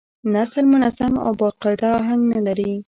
نثر منظم او با قاعده اهنګ نه لري.